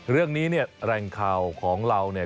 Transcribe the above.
เรื่องนี้เนี่ยแหล่งข่าวของเราเนี่ย